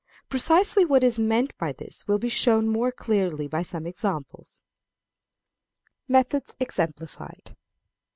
Precisely what is meant by this will be shown more clearly by some examples. Methods exemplified.